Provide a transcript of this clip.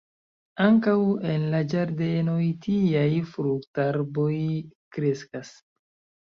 Ankaŭ en la ĝardenoj tiaj fruktarboj kreskas.